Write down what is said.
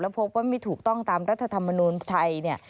และพบว่าไม่ถูกต้องตามรัฐธรรมนุนไทย